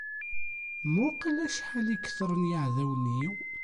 Muqqel acḥal i ketren yiɛdawen-iw.